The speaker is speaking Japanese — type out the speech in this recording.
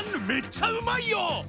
めっちゃうまいよ